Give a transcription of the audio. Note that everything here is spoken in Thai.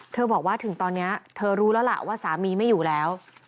บอกว่าถึงตอนนี้เธอรู้แล้วล่ะว่าสามีไม่อยู่แล้ว